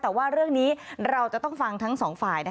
แต่ว่าเรื่องนี้เราจะต้องฟังทั้งสองฝ่าย